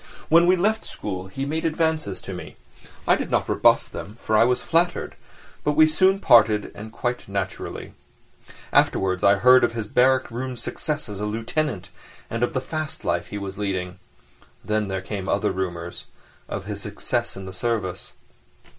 When we left school he made advances to me; I did not rebuff them, for I was flattered, but we soon parted and quite naturally. Afterwards I heard of his barrack room success as a lieutenant, and of the fast life he was leading. Then there came other rumours—of his successes in the service.